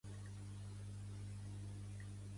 Pertany al moviment independentista la Thelma?